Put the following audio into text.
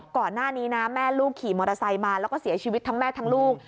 ก่อนหน้านี้นะแม่ลูกขี่มอเตอร์ไซค์มาแล้วก็เสียชีวิตทั้งแม่ทั้งลูก